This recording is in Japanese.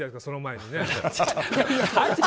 その前に。